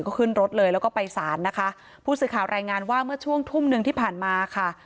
ก็ขึ้นรถเลยแล้วก็ไปสารนะคะผู้สื่อข่าวรายงานว่าเมื่อช่วงทุ่มหนึ่งที่ผ่านมาค่ะ